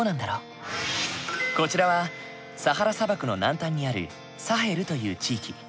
こちらはサハラ砂漠の南端にあるサヘルという地域。